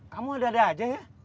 kamu udah ada aja ya